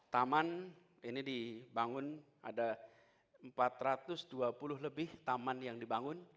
taman ini dibangun ada empat ratus dua puluh lebih taman yang dibangun